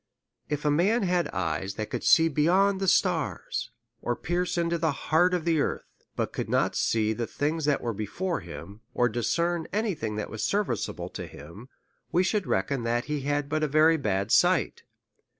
If a man had eyes that could see beyond the stars, or pierce into the heart of the earth, but could not see the things that were before him, or discern any thing that was serviceable to him, we should reckon that he had but a very bad sight.